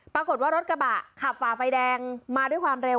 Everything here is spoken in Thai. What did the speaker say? ปรากฏว่ารถกระบะขับฝ่าไฟแดงมาด้วยความเร็ว